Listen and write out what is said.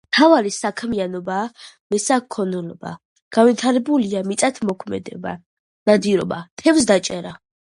მთავარი საქმიანობაა მესაქონლეობა, განვითარებულია მიწათმოქმედება, ნადირობა, თევზჭერა.